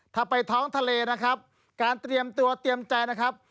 ถ้าไปท้องทะเลนะครับการเตรียมตัวเตรียมใจนะครับ